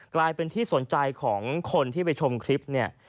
กลายเป็นที่สนใจของคนที่ไปชมคลิปเนี่ย